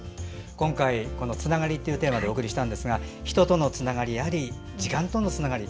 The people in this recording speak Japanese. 今回、「つながり」というテーマでお送りしたんですが人とのつながり時間とのつながり